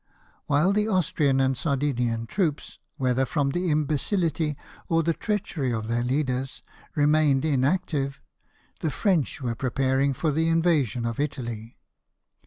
While the Austrian and Sardinian troops, whether from the imbecility or the treachery of their leaders, remained inactive, the French were preparing for the invasion of Italy.